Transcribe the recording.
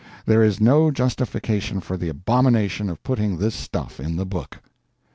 There is no justification for the abomination of putting this stuff in the book.